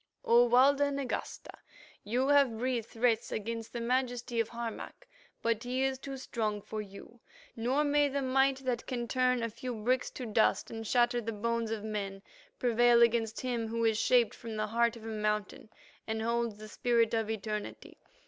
"O Walda Nagasta, you have breathed threats against the Majesty of Harmac, but he is too strong for you, nor may the might that can turn a few bricks to dust and shatter the bones of men prevail against him who is shaped from the heart of a mountain and holds the spirit of eternity.